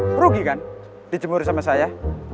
merugi kan dijemur sama saya